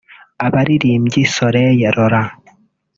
Abaririmbyi Soleil Laurent